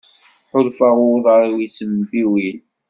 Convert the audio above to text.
Ḥulfaɣ i uḍar-iw yettembiwil.